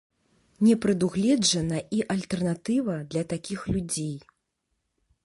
Не прадугледжана і альтэрнатыва для такіх людзей.